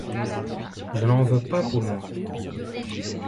Je n'en veux pas pour moi.